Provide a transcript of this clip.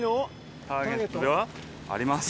ターゲットではありません。